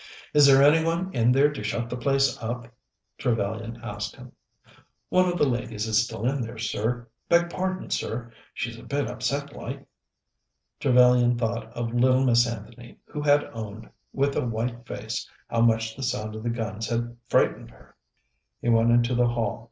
"Is there any one in there to shut the place up?" Trevellyan asked him. "One of the ladies is still in there, sir. Beg pardon, sir; she's a bit upset like." Trevellyan thought of little Miss Anthony, who had owned, with a white face, how much the sound of the guns had frightened her. He went into the hall.